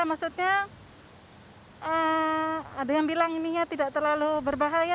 maksudnya ada yang bilang ininya tidak terlalu berbahaya